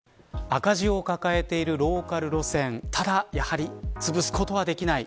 赤字を抱えているローカル路線ただやはりつぶすことはできない。